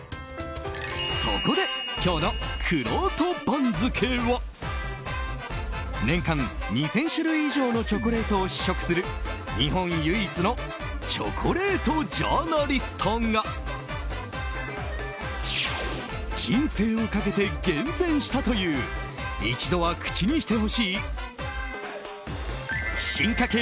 そこで、今日のくろうと番付は年間２０００種類以上のチョコレートを試食する日本唯一のチョコレートジャーナリストが人生をかけて厳選したという一度は口にしてほしい進化系